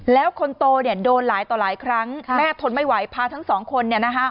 แล้วคนโตเนี่ยโดนหลายต่อหลายครั้งแม่ทนไม่ไหวพาทั้งสองคนเนี่ยนะฮะ